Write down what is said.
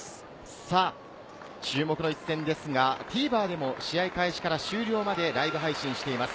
注目の一戦ですが、ＴＶｅｒでも試合開始から終了までライブ配信しています。